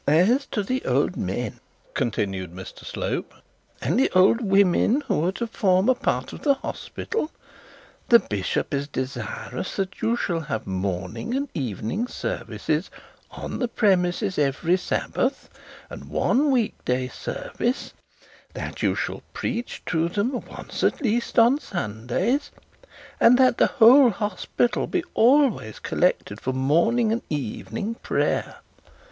'As to the old men,' continued Mr Slope, 'and the old women who are to form part of the hospital, the bishop is desirous that you shall have morning and evening service on the premises every Sabbath, and one week day service; that you shall preach to them once at least on Sundays; and that the whole hospital be always collected for morning and evening prayer.